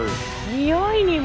においにも。